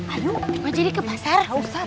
aduh mau jadi ke pasar